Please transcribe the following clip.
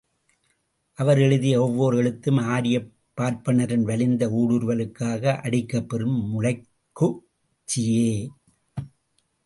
அவர் எழுதும் ஒவ்வோர் எழுத்தும் ஆரியப் பார்ப்பனரின் வலிந்த ஊடுருவலுக்காக அடிக்கப்பெறும் முளைக்குச்சியே!